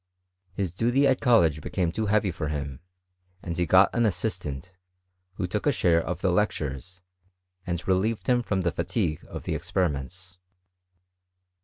His duty at (Dollege became too heavy for him, and he got an aatistant, who took a share of the lectures, and re* lieved him from the fatigue of the experiments.